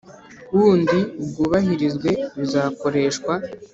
W undi bwubahirizwe bizakoreshwa